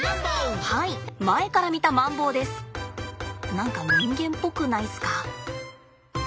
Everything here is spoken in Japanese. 何か人間っぽくないすか？